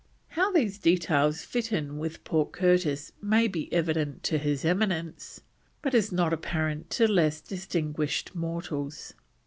How these details fit in with Port Curtis may be evident to his Eminence, but is not apparent to less distinguished mortals.